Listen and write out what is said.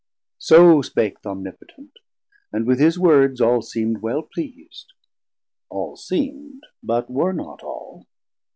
So spake th' Omnipotent, and with his words All seemd well pleas'd, all seem'd, but were not all.